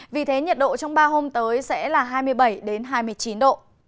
vì thế nhiệt độ trong ba hôm tới sẽ là hai mươi bảy hai mươi chín độ